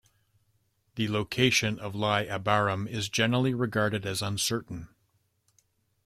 The location of Iye Abarim is generally regarded as uncertain.